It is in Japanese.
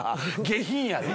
下品やで。